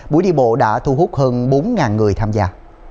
buổi đi bộ đã thu hút hơn bốn người tham gia